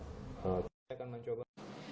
saya akan mencoba